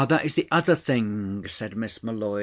That is the other thing!" said Miss M'Leod.